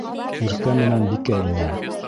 Иркә менән Бикә инә.